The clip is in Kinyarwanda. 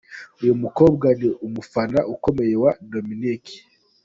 Uyu mukobwa ni umufana ukomeye wa Dominic.